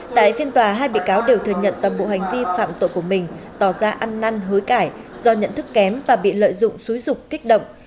tại phiên tòa hai bị cáo đều thừa nhận toàn bộ hành vi phạm tội của mình tỏ ra ăn năn hối cải do nhận thức kém và bị lợi dụng xúi rục kích động